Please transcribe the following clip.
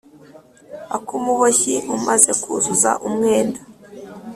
ak’umuboshyi umaze kuzuza umwenda,